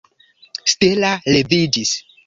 Stella leviĝis.